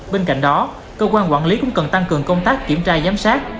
bên cạnh đó cơ quan quản lý cũng cần tăng cường công tác kiểm tra giám sát